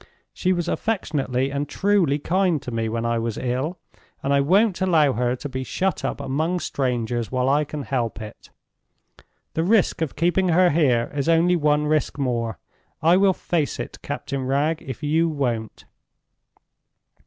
She was affectionately and truly kind to me when I was ill, and I won't allow her to be shut up among strangers while I can help it. The risk of keeping her here is only one risk more. I will face it, Captain Wragge, if you won't."